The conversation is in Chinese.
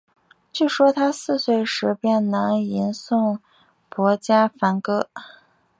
据说他四岁时便能吟诵薄伽梵歌。